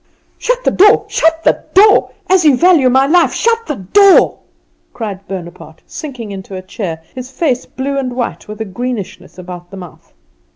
"Shut the door! shut the door! As you value my life, shut the door!" cried Bonaparte, sinking into a chair, his face blue and white, with a greenishness about the mouth.